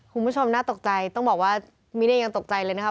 คุณผู้ชมน่าตกใจต้องบอกว่ามิ้นเองยังตกใจเลยนะครับ